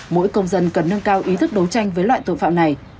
mỗi công dân cần nâng cao ý thức đấu tranh với loại tội phạm này